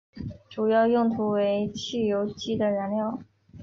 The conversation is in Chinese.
主要用途为汽油机的燃料。